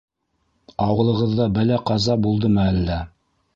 Ауылығыҙҙа бәлә-ҡаза булдымы әллә?